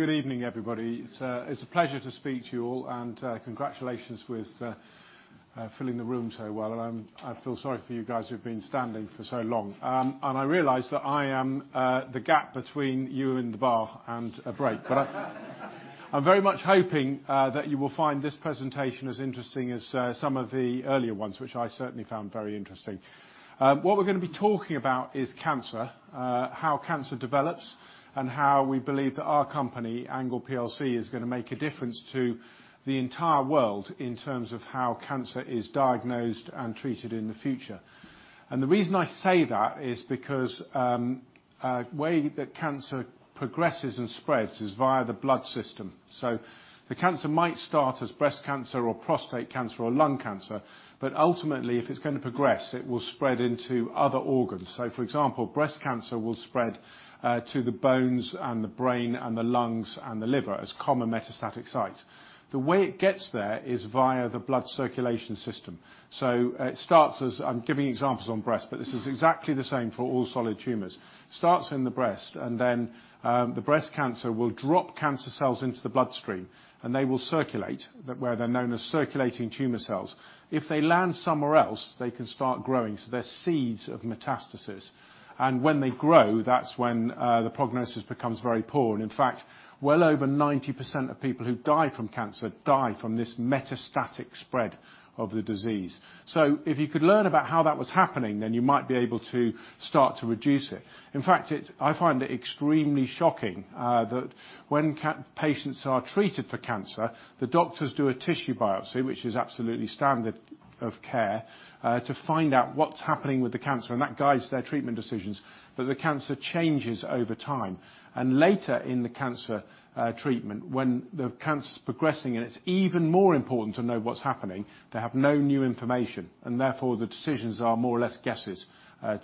Good evening, everybody. It's a pleasure to speak to you all, and congratulations with filling the room so well. I feel sorry for you guys who've been standing for so long. I realize that I am the gap between you and the bar and a break. But I'm very much hoping that you will find this presentation as interesting as some of the earlier ones, which I certainly found very interesting. What we're gonna be talking about is cancer, how cancer develops, and how we believe that our company, ANGLE plc, is gonna make a difference to the entire world in terms of how cancer is diagnosed and treated in the future. And the reason I say that is because the way that cancer progresses and spreads is via the blood system. So the cancer might start as breast cancer or prostate cancer or lung cancer, but ultimately, if it's gonna progress, it will spread into other organs. So for example, breast cancer will spread to the bones and the brain and the lungs and the liver as common metastatic sites. The way it gets there is via the blood circulation system. I'm giving examples on breast, but this is exactly the same for all solid tumors. Starts in the breast, and then the breast cancer will drop cancer cells into the bloodstream, and they will circulate, where they're known as circulating tumor cells. If they land somewhere else, they can start growing, so they're seeds of metastasis. And when they grow, that's when the prognosis becomes very poor, and in fact, well over 90% of people who die from cancer die from this metastatic spread of the disease. So if you could learn about how that was happening, then you might be able to start to reduce it. In fact, I find it extremely shocking that when cancer patients are treated for cancer, the doctors do a tissue biopsy, which is absolutely standard of care, to find out what's happening with the cancer, and that guides their treatment decisions. But the cancer changes over time, and later in the cancer treatment, when the cancer's progressing, and it's even more important to know what's happening, they have no new information, and therefore, the decisions are more or less guesses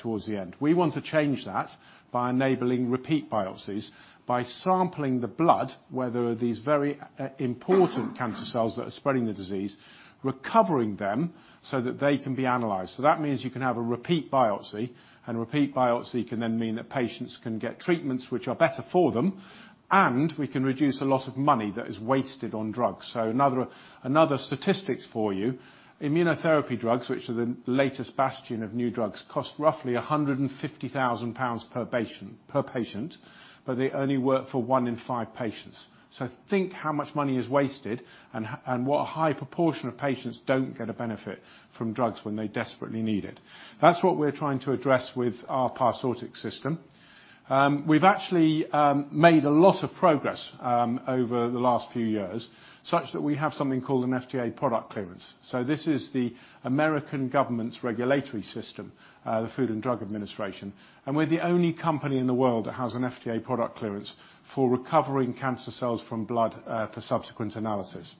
towards the end. We want to change that by enabling repeat biopsies, by sampling the blood, where there are these very, important cancer cells that are spreading the disease, recovering them, so that they can be analyzed. So that means you can have a repeat biopsy, and a repeat biopsy can then mean that patients can get treatments which are better for them, and we can reduce a lot of money that is wasted on drugs. So another, another statistics for you, immunotherapy drugs, which are the latest bastion of new drugs, cost roughly 150,000 pounds per patient, per patient, but they only work for 1 in 5 patients. So think how much money is wasted, and and what a high proportion of patients don't get a benefit from drugs when they desperately need it. That's what we're trying to address with our Parsortix system. We've actually made a lot of progress over the last few years, such that we have something called an FDA product clearance. So this is the American government's regulatory system, the Food and Drug Administration, and we're the only company in the world that has an FDA product clearance for recovering cancer cells from blood for subsequent analysis.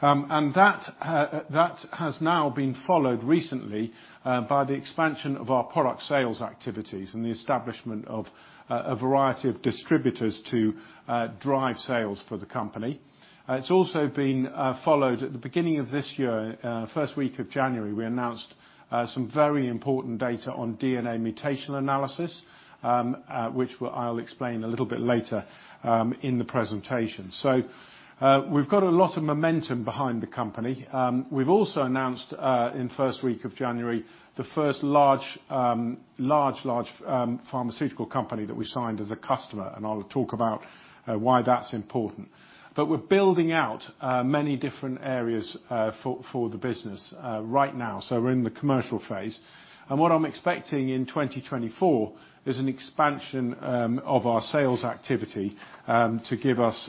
And that has now been followed recently by the expansion of our product sales activities and the establishment of a variety of distributors to drive sales for the company. It's also been followed at the beginning of this year, first week of January, we announced some very important data on DNA mutational analysis, which I'll explain a little bit later in the presentation. So, we've got a lot of momentum behind the company. We've also announced in first week of January, the first large pharmaceutical company that we signed as a customer, and I'll talk about why that's important. But we're building out many different areas for the business right now, so we're in the commercial phase. And what I'm expecting in 2024 is an expansion of our sales activity to give us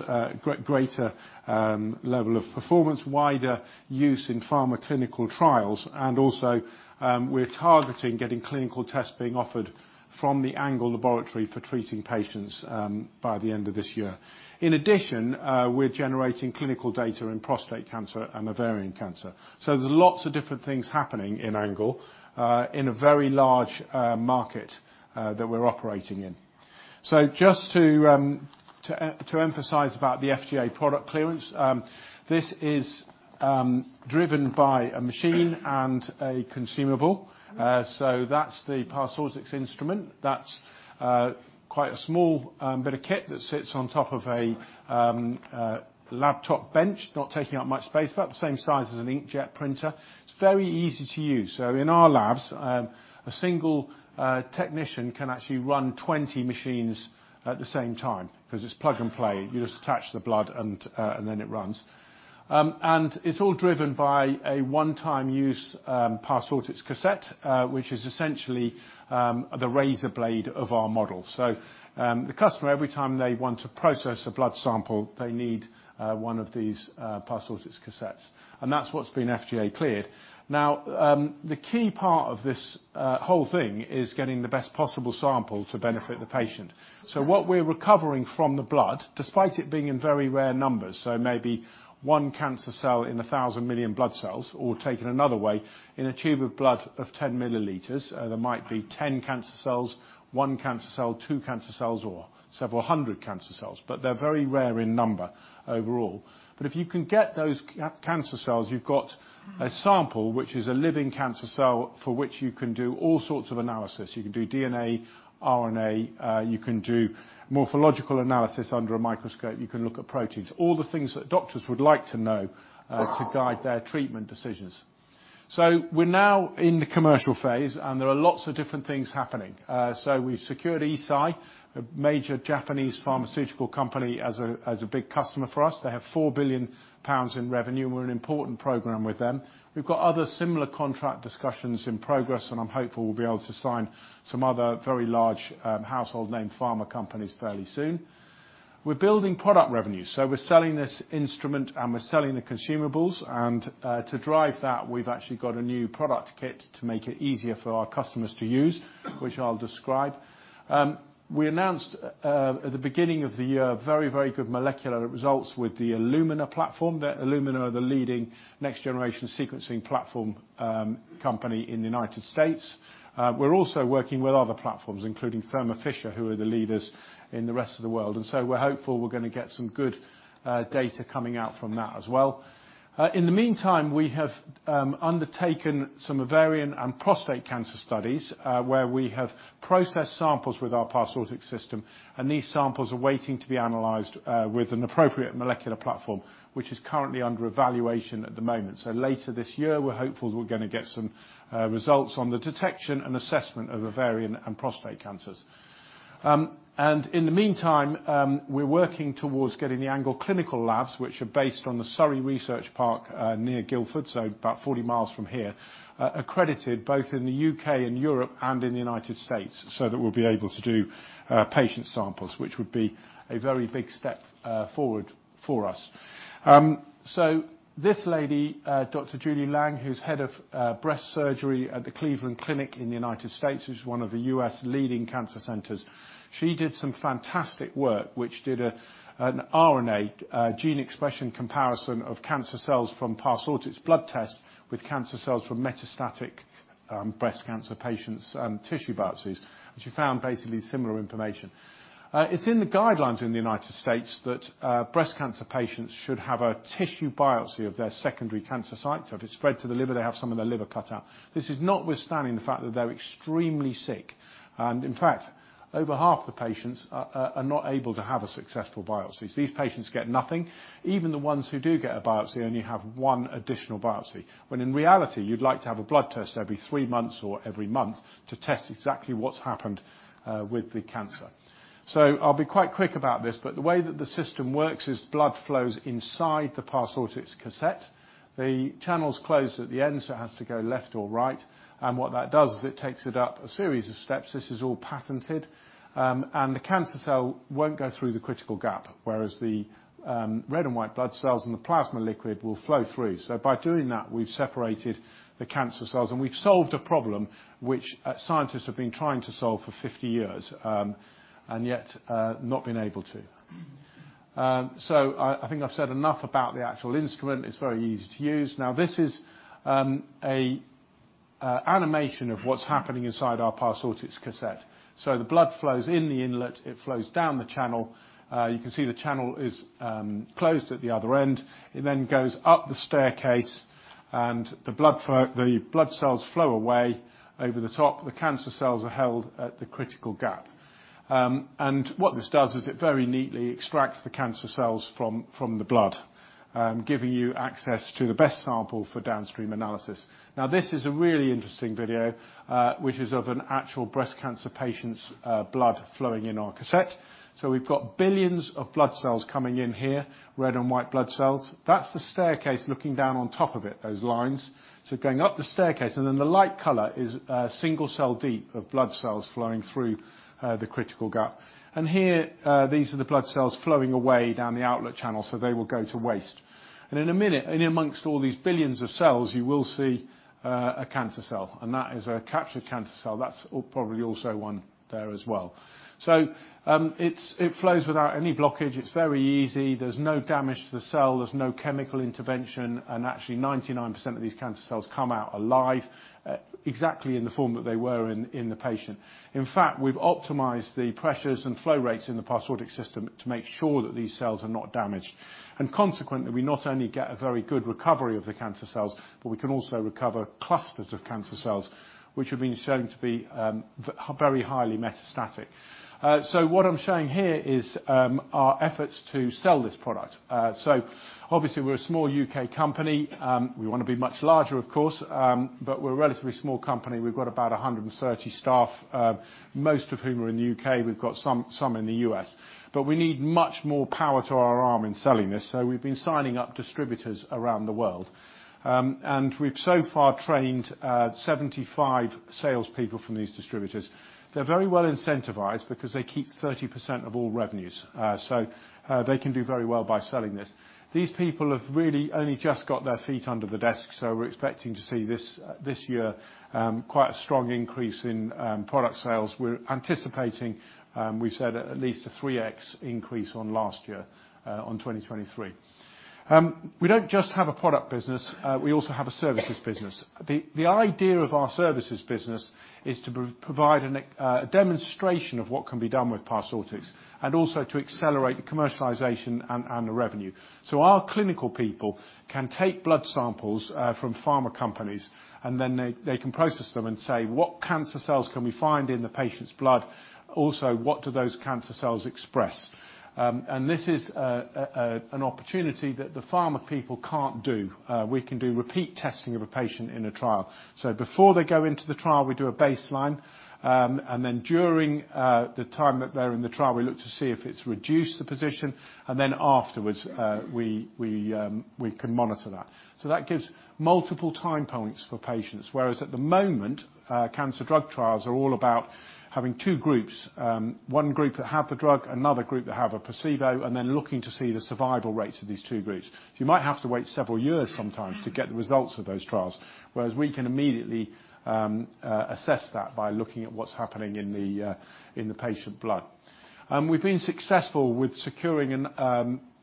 greater level of performance, wider use in pharma clinical trials, and also, we're targeting getting clinical tests being offered from the ANGLE laboratory for treating patients by the end of this year. In addition, we're generating clinical data in prostate cancer and ovarian cancer. So there's lots of different things happening in ANGLE, in a very large market that we're operating in. So just to emphasize about the FDA product clearance, this is driven by a machine and a consumable, so that's the Parsortix instrument. That's quite a small bit of kit that sits on top of a laptop bench, not taking up much space, about the same size as an inkjet printer. It's very easy to use. So in our labs, a single technician can actually run 20 machines at the same time, because it's plug and play. You just attach the blood, and then it runs. And it's all driven by a one-time use Parsortix cassette, which is essentially the razor blade of our model. So, the customer, every time they want to process a blood sample, they need one of these Parsortix cassettes, and that's what's been FDA cleared. Now, the key part of this whole thing is getting the best possible sample to benefit the patient. So what we're recovering from the blood, despite it being in very rare numbers, so maybe one cancer cell in 1,000 million blood cells, or taken another way, in a tube of blood of 10 milliliters, there might be 10 cancer cells, one cancer cell, two cancer cells, or several hundred cancer cells, but they're very rare in number overall. But if you can get those cancer cells, you've got a sample, which is a living cancer cell, for which you can do all sorts of analysis. You can do DNA, RNA, you can do morphological analysis under a microscope, you can look at proteins, all the things that doctors would like to know, to guide their treatment decisions. So we're now in the commercial phase, and there are lots of different things happening. So we've secured Eisai, a major Japanese pharmaceutical company, as a big customer for us. They have 4 billion pounds in revenue, and we're an important program with them. We've got other similar contract discussions in progress, and I'm hopeful we'll be able to sign some other very large, household name pharma companies fairly soon. We're building product revenue, so we're selling this instrument, and we're selling the consumables, and to drive that, we've actually got a new product kit to make it easier for our customers to use, which I'll describe. We announced at the beginning of the year, very, very good molecular results with the Illumina platform. The Illumina are the leading next-generation sequencing platform, company in the United States. We're also working with other platforms, including Thermo Fisher, who are the leaders in the rest of the world, and so we're hopeful we're gonna get some good, data coming out from that as well. In the meantime, we have undertaken some ovarian and prostate cancer studies, where we have processed samples with our Parsortix system, and these samples are waiting to be analyzed, with an appropriate molecular platform, which is currently under evaluation at the moment. So later this year, we're hopeful we're gonna get some, results on the detection and assessment of ovarian and prostate cancers. In the meantime, we're working towards getting the ANGLE clinical labs, which are based on the Surrey Research Park, near Guildford, so about 40 miles from here, accredited both in the U.K. and Europe and in the United States, so that we'll be able to do patient samples, which would be a very big step forward for us. So this lady, Dr. Julie Lang, who's head of breast surgery at the Cleveland Clinic in the United States, which is one of the U.S. leading cancer centers. She did some fantastic work, which did an RNA gene expression comparison of cancer cells from Parsortix blood tests with cancer cells from metastatic breast cancer patients and tissue biopsies, and she found basically similar information. It's in the guidelines in the United States that, breast cancer patients should have a tissue biopsy of their secondary cancer site. So if it's spread to the liver, they have some of their liver cut out. This is notwithstanding the fact that they're extremely sick, and in fact, over half the patients are not able to have a successful biopsy. So these patients get nothing, even the ones who do get a biopsy only have one additional biopsy, when in reality, you'd like to have a blood test every three months or every month to test exactly what's happened with the cancer. So I'll be quite quick about this, but the way that the system works is blood flows inside the Parsortix cassette. The channels close at the end, so it has to go left or right, and what that does is it takes it up a series of steps. This is all patented. and the cancer cell won't go through the critical gap, whereas the red and white blood cells and the plasma liquid will flow through. So by doing that, we've separated the cancer cells, and we've solved a problem which scientists have been trying to solve for 50 years, and yet not been able to. so I think I've said enough about the actual instrument. It's very easy to use. Now, this is a animation of what's happening inside our Parsortix cassette. So the blood flows in the inlet, it flows down the channel. you can see the channel is closed at the other end. It then goes up the staircase, and the blood flow, the blood cells flow away over the top. The cancer cells are held at the critical gap. And what this does is it very neatly extracts the cancer cells from the blood, giving you access to the best sample for downstream analysis. Now, this is a really interesting video, which is of an actual breast cancer patient's blood flowing in our cassette. So we've got billions of blood cells coming in here, red and white blood cells. That's the staircase looking down on top of it, those lines. So going up the staircase, and then the light color is single cell deep of blood cells flowing through the critical gap. And here, these are the blood cells flowing away down the outlet channel, so they will go to waste. And in a minute, in amongst all these billions of cells, you will see a cancer cell, and that is a captured cancer cell. That's probably also one there as well. So, it flows without any blockage. It's very easy. There's no damage to the cell. There's no chemical intervention, and actually, 99% of these cancer cells come out alive, exactly in the form that they were in, in the patient. In fact, we've optimized the pressures and flow rates in the Parsortix system to make sure that these cells are not damaged. And consequently, we not only get a very good recovery of the cancer cells, but we can also recover clusters of cancer cells, which have been shown to be very highly metastatic. So what I'm showing here is our efforts to sell this product. So obviously, we're a small U.K. company. We want to be much larger of course, but we're a relatively small company. We've got about 130 staff, most of whom are in the U.K. We've got some in the U.S., but we need much more power to our arm in selling this, so we've been signing up distributors around the world. And we've so far trained 75 salespeople from these distributors. They're very well incentivized because they keep 30% of all revenues, so they can do very well by selling this. These people have really only just got their feet under the desk, so we're expecting to see this year quite a strong increase in product sales. We're anticipating, we said at least a 3x increase on last year, on 2023. We don't just have a product business, we also have a services business. The idea of our services business is to provide a demonstration of what can be done with Parsortix, and also to accelerate the commercialization and the revenue. So our clinical people can take blood samples from pharma companies, and then they can process them and say, "What cancer cells can we find in the patient's blood? Also, what do those cancer cells express?" And this is an opportunity that the pharma people can't do. We can do repeat testing of a patient in a trial. So before they go into the trial, we do a baseline. And then during the time that they're in the trial, we look to see if it's reduced the position, and then afterwards, we can monitor that. So that gives multiple time points for patients, whereas at the moment, cancer drug trials are all about having two groups, one group that have the drug, another group that have a placebo, and then looking to see the survival rates of these two groups. You might have to wait several years sometimes to get the results of those trials, whereas we can immediately assess that by looking at what's happening in the patient blood. We've been successful with securing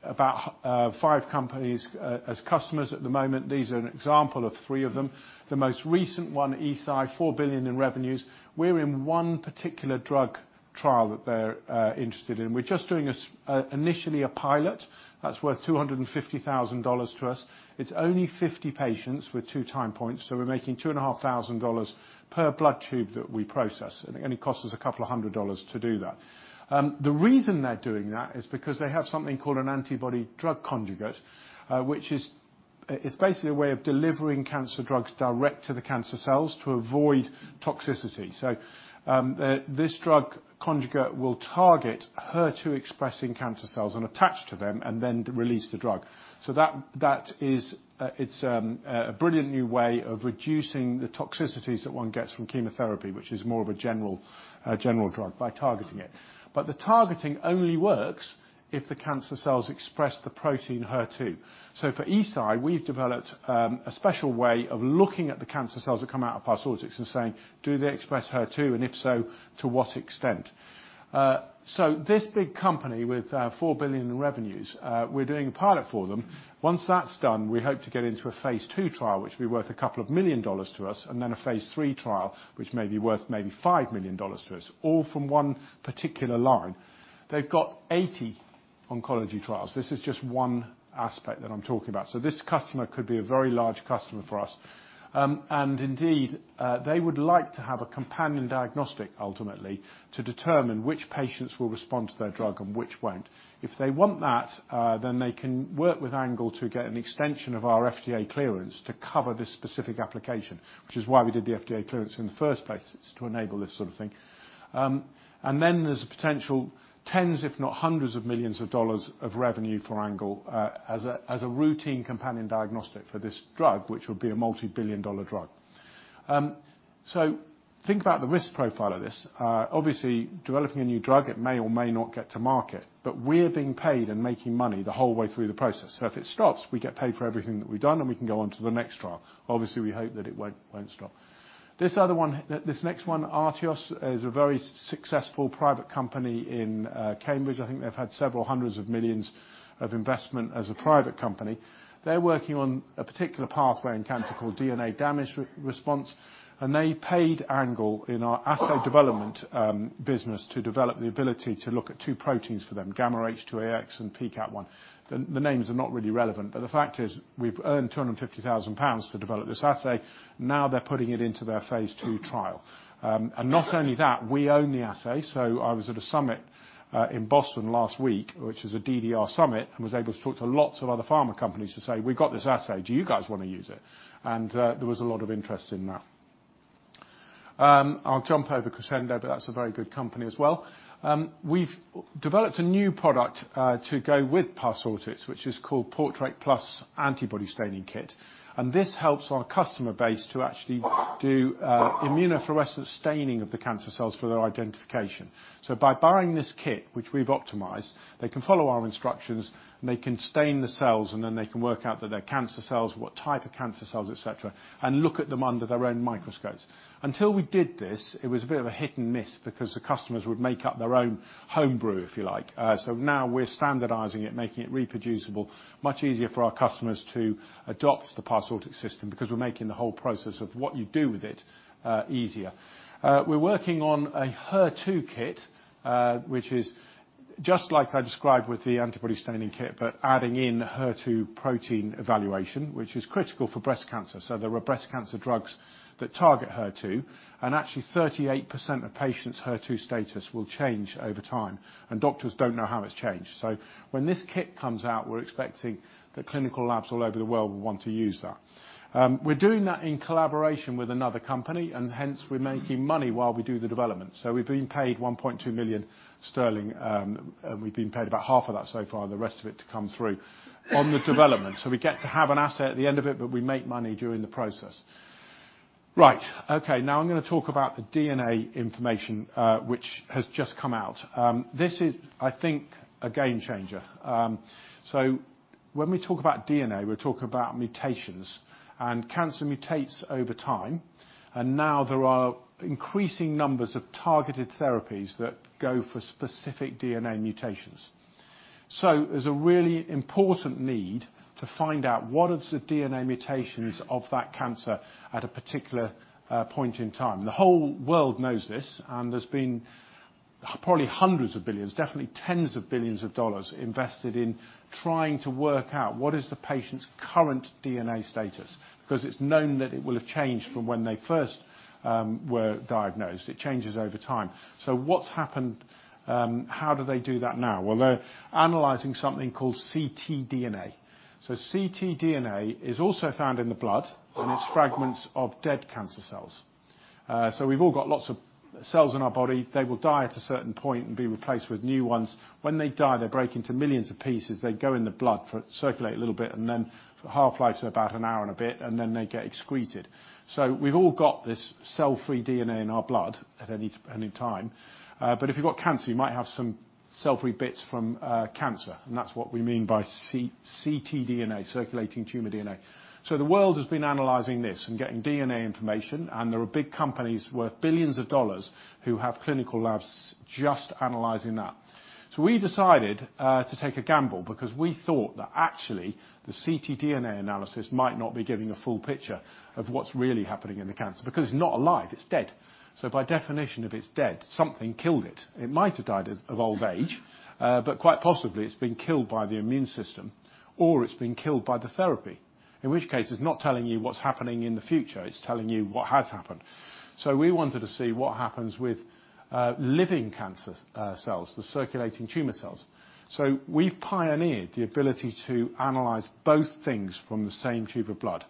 about 5 companies as customers at the moment. These are an example of three of them. The most recent one, Eisai, $4 billion in revenues. We're in one particular drug trial that they're interested in. We're just doing initially a pilot that's worth $250,000 to us. It's only 50 patients with two-time points, so we're making $2,500 per blood tube that we process, and it only costs us $200 to do that. The reason they're doing that is because they have something called an antibody-drug conjugate, which is, it's basically a way of delivering cancer drugs direct to the cancer cells to avoid toxicity. So, this drug conjugate will target HER2-expressing cancer cells and attach to them, and then release the drug. That is a brilliant new way of reducing the toxicities that one gets from chemotherapy, which is more of a general drug, by targeting it. But the targeting only works if the cancer cells express the protein HER2. So for Eisai, we've developed a special way of looking at the cancer cells that come out of Parsortix and saying, "Do they express HER2? And if so, to what extent?" So this big company with $4 billion in revenues, we're doing a pilot for them. Once that's done, we hope to get into a phase II trial, which will be worth a couple of million dollars to us, and then a phase III trial, which may be worth maybe $5 million to us, all from one particular line. They've got 80 oncology trials. This is just one aspect that I'm talking about. So this customer could be a very large customer for us. And indeed, they would like to have a companion diagnostic, ultimately, to determine which patients will respond to their drug and which won't. If they want that, then they can work with ANGLE to get an extension of our FDA clearance to cover this specific application, which is why we did the FDA clearance in the first place, is to enable this sort of thing. And then there's a potential tens, if not hundreds, of millions of dollars of revenue for ANGLE, as a routine companion diagnostic for this drug, which will be a multibillion-dollar drug. So think about the risk profile of this. Obviously, developing a new drug, it may or may not get to market, but we're being paid and making money the whole way through the process. So if it stops, we get paid for everything that we've done, and we can go on to the next trial. Obviously, we hope that it won't stop. This other one, this next one, Artios, is a very successful private company in Cambridge. I think they've had several hundred million of investment as a private company. They're working on a particular pathway in cancer called DNA damage response, and they paid ANGLE in our assay development business to develop the ability to look at two proteins for them, gamma-H2AX and pKAP1. The names are not really relevant, but the fact is, we've earned 250,000 pounds to develop this assay. Now, they're putting it into their phase II trial. And not only that, we own the assay. So I was at a summit in Boston last week, which is a DDR summit, and was able to talk to lots of other pharma companies to say, "We've got this assay. Do you guys wanna use it?" And there was a lot of interest in that. I'll jump over Crescendo, but that's a very good company as well. We've developed a new product to go with Parsortix, which is called Portrait+ Antibody Staining Kit, and this helps our customer base to actually do immunofluorescence staining of the cancer cells for their identification. So by buying this kit, which we've optimized, they can follow our instructions, and they can stain the cells, and then they can work out that they're cancer cells, what type of cancer cells, et cetera, and look at them under their own microscopes. Until we did this, it was a bit of a hit-and-miss because the customers would make up their own home brew, if you like. So now we're standardizing it, making it reproducible, much easier for our customers to adopt the Parsortix system, because we're making the whole process of what you do with it, easier. We're working on a HER2 kit, which is just like I described with the antibody staining kit, but adding in HER2 protein evaluation, which is critical for breast cancer. So there are breast cancer drugs that target HER2, and actually, 38% of patients' HER2 status will change over time, and doctors don't know how it's changed. So when this kit comes out, we're expecting that clinical labs all over the world will want to use that. We're doing that in collaboration with another company, and hence, we're making money while we do the development. So we've been paid 1.2 million sterling, and we've been paid about half of that so far, the rest of it to come through on the development. So we get to have an asset at the end of it, but we make money during the process. Right, okay, now I'm gonna talk about the DNA information, which has just come out. This is, I think, a game changer. So when we talk about DNA, we're talking about mutations, and cancer mutates over time, and now there are increasing numbers of targeted therapies that go for specific DNA mutations... So there's a really important need to find out what is the DNA mutations of that cancer at a particular point in time. The whole world knows this, and there's been probably $ hundreds of billions, definitely $ tens of billions invested in trying to work out what is the patient's current DNA status, because it's known that it will have changed from when they first were diagnosed. It changes over time. So what's happened? How do they do that now? Well, they're analyzing something called ctDNA. So ctDNA is also found in the blood, and it's fragments of dead cancer cells. So we've all got lots of cells in our body. They will die at a certain point and be replaced with new ones. When they die, they break into millions of pieces. They go in the blood for, circulate a little bit, and then half-life to about an hour and a bit, and then they get excreted. So we've all got this cell-free DNA in our blood at any, any time. But if you've got cancer, you might have some cell-free bits from cancer, and that's what we mean by ctDNA, circulating tumor DNA. So the world has been analyzing this and getting DNA information, and there are big companies worth billions of dollars who have clinical labs just analyzing that. So we decided to take a gamble because we thought that actually, the ctDNA analysis might not be giving a full picture of what's really happening in the cancer, because it's not alive, it's dead. By definition, if it's dead, something killed it. It might have died of old age, but quite possibly, it's been killed by the immune system, or it's been killed by the therapy, in which case, it's not telling you what's happening in the future, it's telling you what has happened. We wanted to see what happens with living cancer cells, the circulating tumor cells. We've pioneered the ability to analyze both things from the same tube of blood.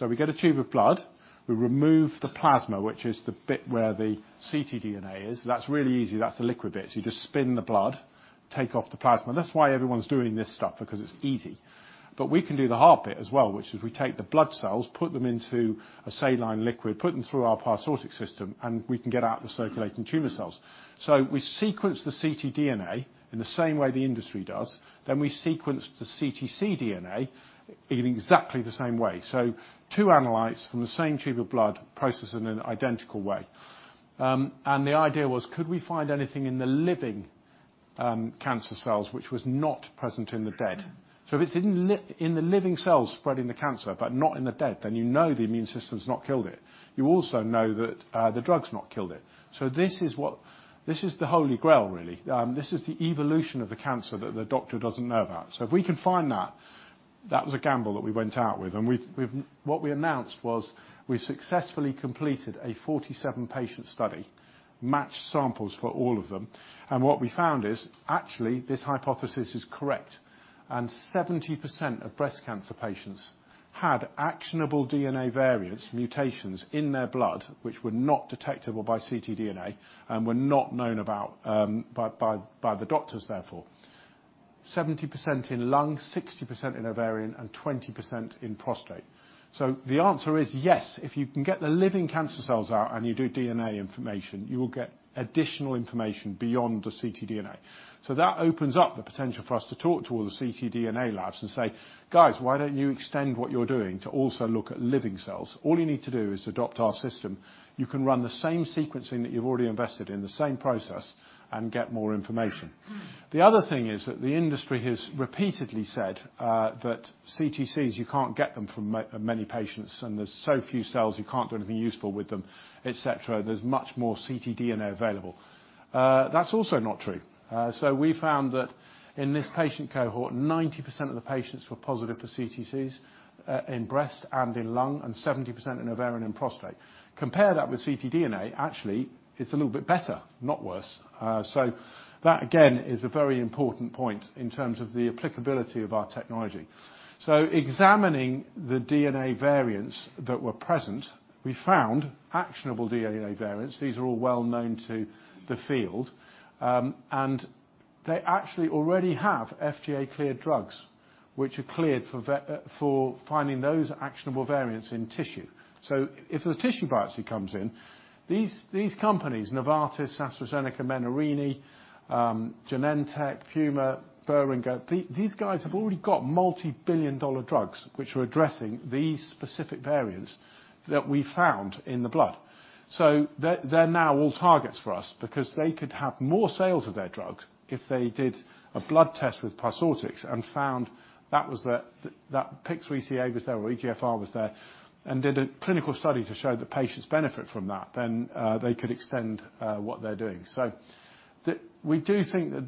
We get a tube of blood, we remove the plasma, which is the bit where the ctDNA is. That's really easy, that's the liquid bit. You just spin the blood, take off the plasma. That's why everyone's doing this stuff, because it's easy. But we can do the hard bit as well, which is we take the blood cells, put them into a saline liquid, put them through our Parsortix system, and we can get out the circulating tumor cells. So we sequence the ctDNA in the same way the industry does, then we sequence the CTC DNA in exactly the same way. So two analyses from the same tube of blood, processed in an identical way. And the idea was, could we find anything in the living, cancer cells which was not present in the dead? So if it's in the living cells spreading the cancer, but not in the dead, then you know the immune system's not killed it. You also know that, the drug's not killed it. So this is what, this is the Holy Grail, really. This is the evolution of the cancer that the doctor doesn't know about. So if we can find that, that was a gamble that we went out with, and what we announced was we successfully completed a 47-patient study, matched samples for all of them. And what we found is, actually, this hypothesis is correct, and 70% of breast cancer patients had actionable DNA variants, mutations in their blood, which were not detectable by ctDNA and were not known about by the doctors, therefore. 70% in lung, 60% in ovarian, and 20% in prostate. So the answer is yes, if you can get the living cancer cells out and you do DNA information, you will get additional information beyond the ctDNA. So that opens up the potential for us to talk to all the ctDNA labs and say, "Guys, why don't you extend what you're doing to also look at living cells? All you need to do is adopt our system. You can run the same sequencing that you've already invested in, the same process, and get more information." The other thing is that the industry has repeatedly said that CTCs, you can't get them from many patients, and there's so few cells, you can't do anything useful with them, et cetera. There's much more ctDNA available. That's also not true. So we found that in this patient cohort, 90% of the patients were positive for CTCs in breast and in lung, and 70% in ovarian and prostate. Compare that with ctDNA, actually, it's a little bit better, not worse. So that, again, is a very important point in terms of the applicability of our technology. Examining the DNA variants that were present, we found actionable DNA variants. These are all well known to the field, and they actually already have FDA-cleared drugs, which are cleared for finding those actionable variants in tissue. If the tissue biopsy comes in, these, these companies, Novartis, AstraZeneca, Menarini, Genentech, Puma, Boehringer, these, these guys have already got multibillion-dollar drugs, which are addressing these specific variants that we found in the blood. So they're now all targets for us because they could have more sales of their drugs if they did a blood test with Parsortix and found that PIK3CA was there or EGFR was there, and did a clinical study to show that patients benefit from that, then they could extend what they're doing. We do think that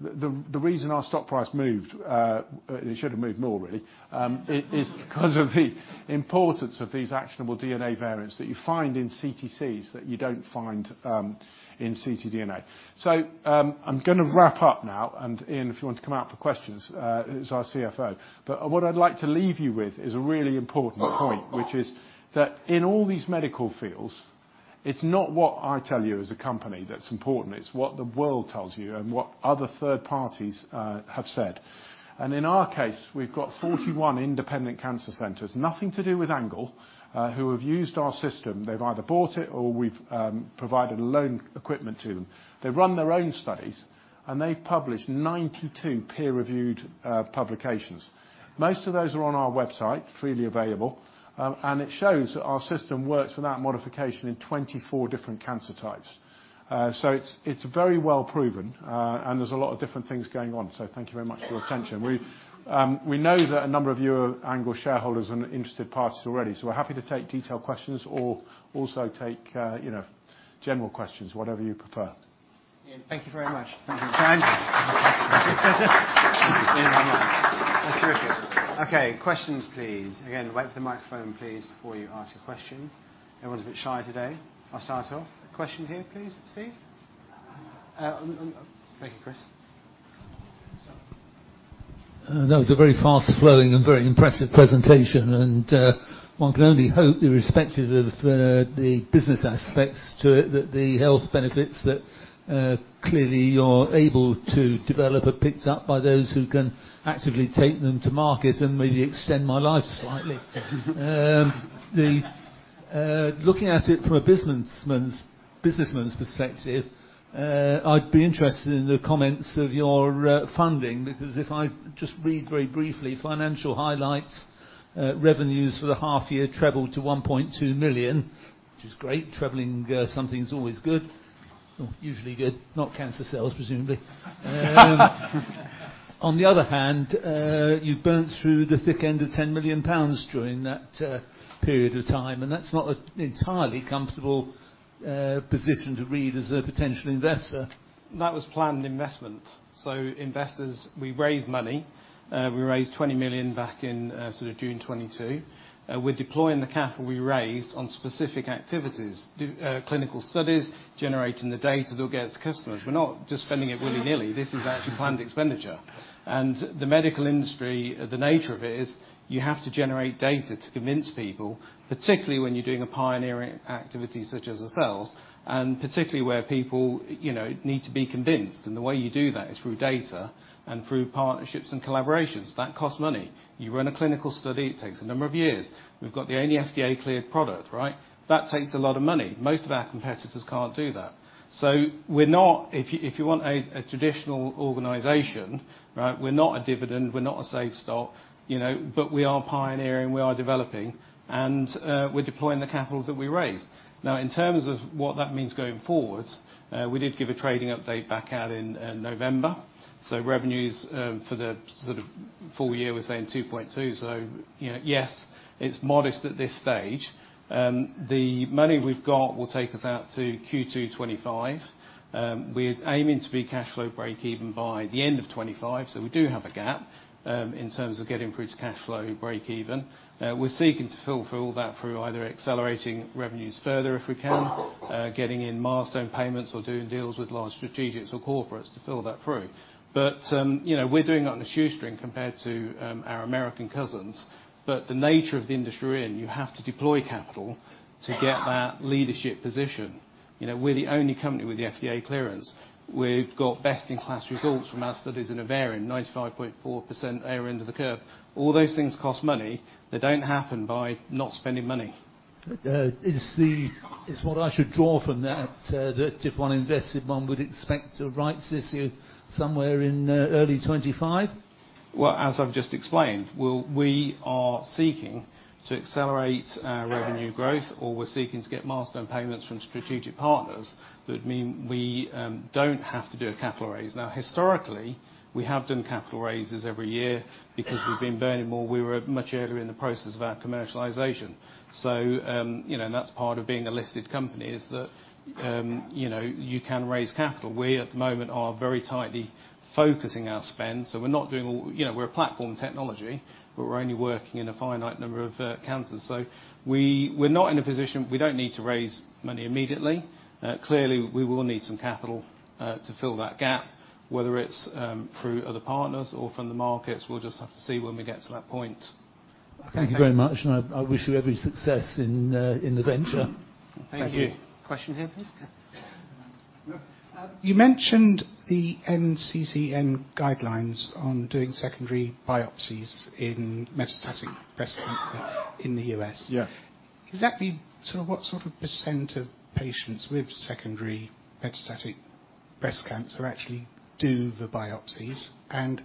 the reason our stock price moved, it should have moved more really, is because of the importance of these actionable DNA variants that you find in CTCs that you don't find in ctDNA. So I'm gonna wrap up now, and Ian, if you want to come out for questions, he's our CFO. But what I'd like to leave you with is a really important point, which is that in all these medical fields, it's not what I tell you as a company that's important, it's what the world tells you and what other third parties have said. And in our case, we've got 41 independent cancer centers, nothing to do with ANGLE, who have used our system. They've either bought it or we've provided loan equipment to them. They've run their own studies, and they've published 92 peer-reviewed publications. Most of those are on our website, freely available, and it shows that our system works without modification in 24 different cancer types. So it's, it's very well proven, and there's a lot of different things going on, so thank you very much for your attention. We, we know that a number of you are ANGLE shareholders and interested parties already, so we're happy to take detailed questions or also take, you know, general questions, whatever you prefer. Thank you very much. Thank you. That's terrific. Okay, questions, please. Again, wait for the microphone, please, before you ask a question. Everyone's a bit shy today. I'll start off. A question here, please, Steve. Thank you, Chris. That was a very fast-flowing and very impressive presentation, and one can only hope, irrespective of the business aspects to it, that the health benefits that clearly you're able to develop are picked up by those who can actively take them to market and maybe extend my life slightly. Looking at it from a businessman's perspective, I'd be interested in the comments of your funding, because if I just read very briefly, financial highlights, revenues for the half year trebled to 1.2 million, which is great. Trebling something's always good, usually good, not cancer cells, presumably. On the other hand, you've burnt through the thick end of 10 million pounds during that period of time, and that's not an entirely comfortable position to read as a potential investor. That was planned investment. Investors, we raised money. We raised 20 million back in sort of June 2022. We're deploying the capital we raised on specific activities, clinical studies, generating the data that gets customers. We're not just spending it willy-nilly. This is actually planned expenditure. The medical industry, the nature of it is you have to generate data to convince people, particularly when you're doing a pioneering activity, such as ourselves, and particularly where people, you know, need to be convinced. The way you do that is through data and through partnerships and collaborations. That costs money. You run a clinical study, it takes a number of years. We've got the only FDA-cleared product, right? That takes a lot of money. Most of our competitors can't do that. So we're not. If you want a traditional organization, right, we're not a dividend, we're not a safe stock, you know, but we are pioneering, we are developing, and we're deploying the capital that we raised. Now, in terms of what that means going forward, we did give a trading update back out in November. So revenues for the sort of full year, we're saying 2.2. So you know, yes, it's modest at this stage. The money we've got will take us out to Q2 2025. We're aiming to be cashflow breakeven by the end of 2025, so we do have a gap in terms of getting through to cashflow breakeven. We're seeking to fulfill that through either accelerating revenues further, if we can, getting in milestone payments or doing deals with large strategics or corporates to fill that through. But you know, we're doing it on a shoestring compared to our American cousins, but the nature of the industry we're in, you have to deploy capital to get that leadership position. You know, we're the only company with the FDA clearance. We've got best-in-class results from our studies in ovarian, 95.4% area under the curve. All those things cost money. They don't happen by not spending money. Is what I should draw from that, that if one invested, one would expect a rights issue somewhere in early 2025? Well, as I've just explained, we are seeking to accelerate our revenue growth, or we're seeking to get milestone payments from strategic partners, that would mean we don't have to do a capital raise. Now, historically, we have done capital raises every year because we've been burning more. We were much earlier in the process of our commercialization. So, you know, and that's part of being a listed company, is that, you know, you can raise capital. We, at the moment, are very tightly focusing our spend, so we're not doing all. You know, we're a platform technology, but we're only working in a finite number of cancers. So we, we're not in a position, we don't need to raise money immediately. Clearly, we will need some capital to fill that gap, whether it's through other partners or from the markets. We'll just have to see when we get to that point. Thank you very much, and I, I wish you every success in, in the venture. Thank you. Question here, please. You mentioned the NCCN guidelines on doing secondary biopsies in metastatic breast cancer in the U.S. Yeah. Exactly, so what sort of percent of patients with secondary metastatic breast cancer actually do the biopsies, and,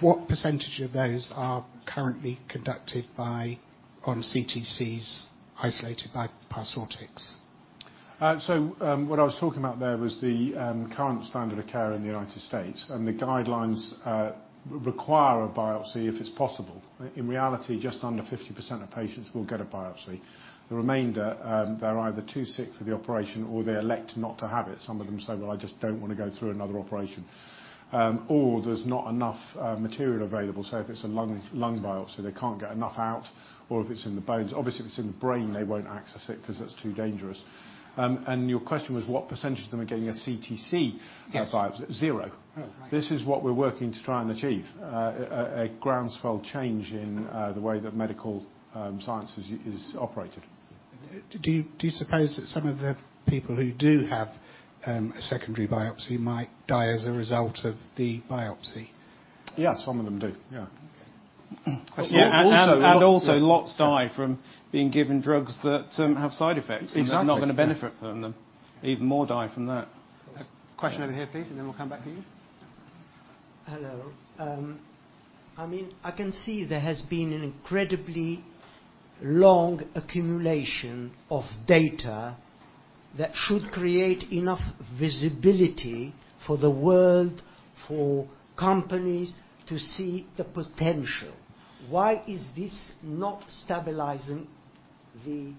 what percentage of those are currently conducted by, on CTCs isolated by Parsortix? So, what I was talking about there was the current standard of care in the United States, and the guidelines require a biopsy, if it's possible. In reality, just under 50% of patients will get a biopsy. The remainder, they're either too sick for the operation or they elect not to have it. Some of them say, "Well, I just don't want to go through another operation." Or there's not enough material available, so if it's a lung biopsy, they can't get enough out, or if it's in the bones. Obviously, if it's in the brain, they won't access it because that's too dangerous. And your question was, what percentage of them are getting a CTC- Yes. -biopsy? Zero. Oh, right. This is what we're working to try and achieve a groundswell change in the way that medical science is operated. Do you, do you suppose that some of the people who do have a secondary biopsy might die as a result of the biopsy? Yeah, some of them do, yeah. Okay. Also, lots die from being given drugs that have side effects- Exactly. are not going to benefit from them. Even more die from that. Question over here, please, and then we'll come back to you.... Hello. I mean, I can see there has been an incredibly long accumulation of data that should create enough visibility for the world, for companies to see the potential. Why is this not stabilizing the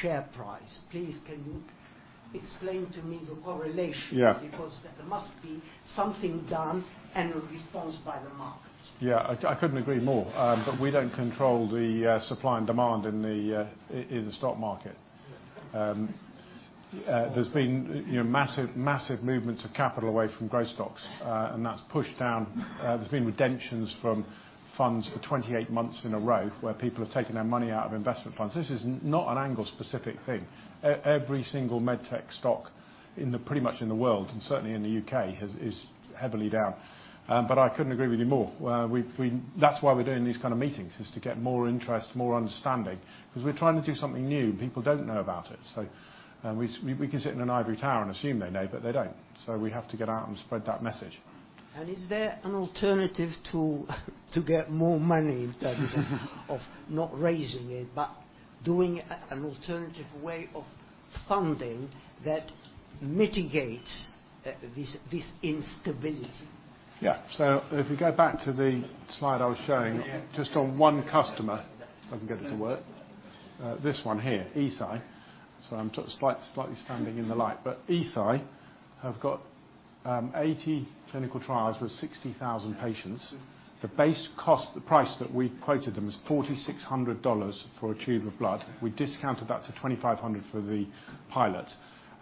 share price? Please, can you explain to me the correlation? Yeah. Because there must be something done and a response by the markets. Yeah, I couldn't agree more. But we don't control the supply and demand in the stock market. There's been, you know, massive, massive movements of capital away from growth stocks, and that's pushed down. There's been redemptions from funds for 28 months in a row, where people have taken their money out of investment funds. This is not an ANGLE specific thing. Every single med tech stock in the, pretty much in the world, and certainly in the UK, is heavily down. But I couldn't agree with you more. We've. That's why we're doing these kind of meetings, is to get more interest, more understanding, because we're trying to do something new. People don't know about it. So, we can sit in an ivory tower and assume they know, but they don't. We have to get out and spread that message. Is there an alternative to get more money of not raising it, but doing an alternative way of funding that mitigates this instability? Yeah. So if we go back to the slide I was showing- Yeah. Just on one customer, if I can get it to work. This one here, Eisai. So I'm slightly standing in the light, but Eisai have got 80 clinical trials with 60,000 patients. The base cost, the price that we quoted them, is $4,600 for a tube of blood. We discounted that to $2,500 for the pilot.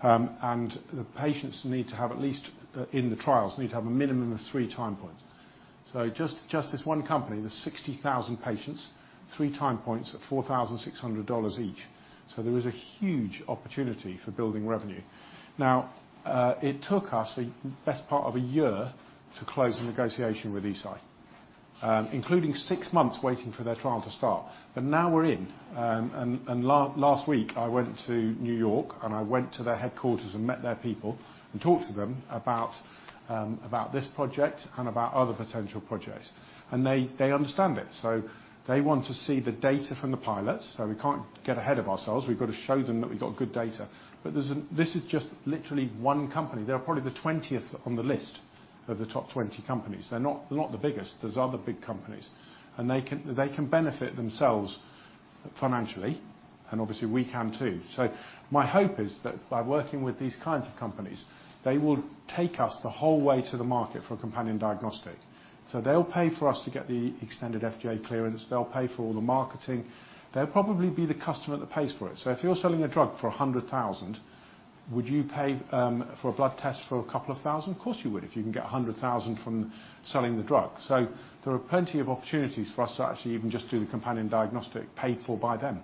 And the patients need to have at least, in the trials, need to have a minimum of three time points. So just this one company, there's 60,000 patients, three time points at $4,600 each. So there is a huge opportunity for building revenue. Now, it took us the best part of a year to close the negotiation with Eisai, including six months waiting for their trial to start. But now we're in. Last week, I went to New York, and I went to their headquarters and met their people, and talked to them about this project and about other potential projects. They understand it, so they want to see the data from the pilots. So we can't get ahead of ourselves. We've got to show them that we've got good data. But this is just literally one company. They're probably the 20th on the list of the top 20 companies. They're not the biggest. There's other big companies, and they can benefit themselves financially, and obviously, we can, too. So my hope is that by working with these kinds of companies, they will take us the whole way to the market for a companion diagnostic. So they'll pay for us to get the extended FDA clearance. They'll pay for all the marketing. They'll probably be the customer that pays for it. So if you're selling a drug for $100,000, would you pay for a blood test for $2,000? Of course, you would, if you can get $100,000 from selling the drug. So there are plenty of opportunities for us to actually even just do the companion diagnostic paid for by them.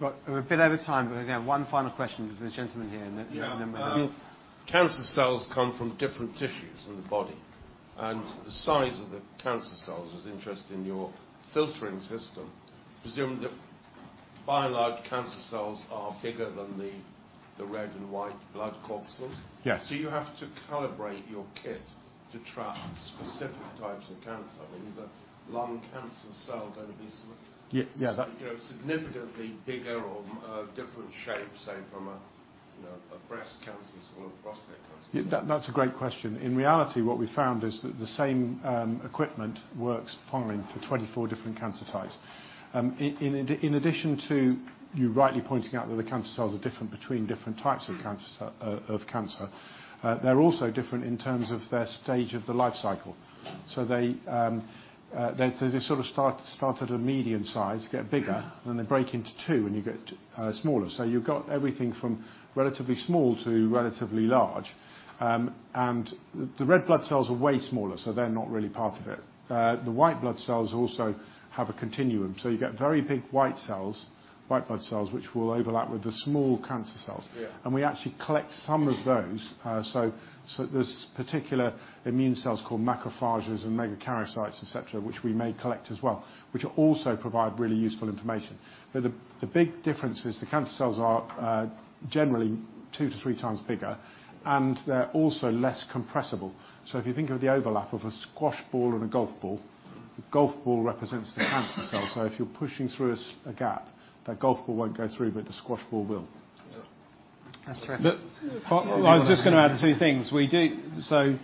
But we're a bit out of time, but again, one final question to this gentleman here, and then, Yeah. Cancer cells come from different tissues in the body, and the size of the cancer cells is interest in your filtering system. Presume that, by and large, cancer cells are bigger than the red and white blood corpuscles? Yes. So you have to calibrate your kit to trap specific types of cancer. I mean, is a lung cancer cell going to be s-? Yeah. Yeah,... you know, significantly bigger or, different shape, say, from a, you know, a breast cancer cell or prostate cancer? Yeah, that's a great question. In reality, what we found is that the same equipment works fine for 24 different cancer types. In addition to, you rightly pointing out that the cancer cells are different between different types of cancer, of cancer, they're also different in terms of their stage of the life cycle. So they, they sort of start, start at a medium size, get bigger, and then they break into two, and you get smaller. So you've got everything from relatively small to relatively large. And the red blood cells are way smaller, so they're not really part of it. The white blood cells also have a continuum, so you get very big white cells, white blood cells, which will overlap with the small cancer cells. Yeah. We actually collect some of those. So there's particular immune cells called macrophages and megakaryocytes, et cetera, which we may collect as well, which will also provide really useful information. But the big difference is the cancer cells are generally 2x-3x bigger, and they're also less compressible. So if you think of the overlap of a squash ball and a golf ball, the golf ball represents the cancer cell. So if you're pushing through a gap, that golf ball won't go through, but the squash ball will. Yeah. That's true. But- Well, uh- I was just going to add two things. We do. So,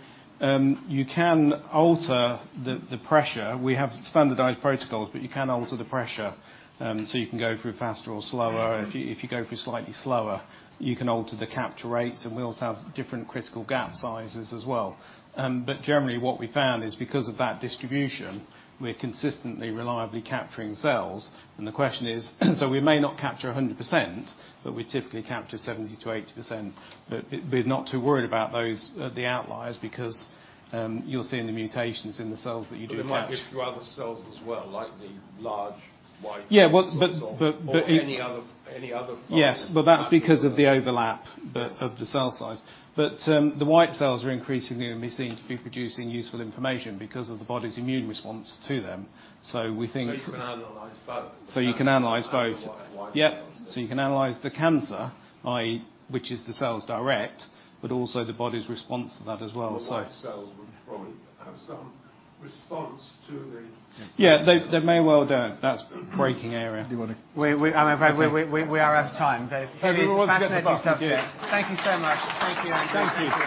you can alter the pressure. We have standardized protocols, but you can alter the pressure. So, you can go through faster or slower. Yeah. If you go through slightly slower, you can alter the capture rates, and we also have different critical gap sizes as well. But generally, what we found is because of that distribution, we're consistently, reliably capturing cells. And the question is... So we may not capture 100%, but we typically capture 70%-80%. But we're not too worried about those, the outliers, because, you'll see in the mutations in the cells that you do capture. But it might give you other cells as well, like the large white- Yeah, but I- Or any other, any other form. Yes, but that's because of the overlap, but of the cell size. But, the white cells are increasingly going to be seen to be producing useful information because of the body's immune response to them. So we think- So you can analyze both? So you can analyze both. White blood cells. Yep. So you can analyze the cancer, i.e., which is the cells direct, but also the body's response to that as well. So- The white cells would probably have some response to the- Yeah, they, they may well do. That's breaking area. We are out of time. But- Maybe we want to get the bus. Thank you so much. Thank you, Andrew. Thank you.